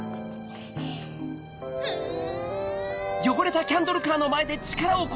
うん！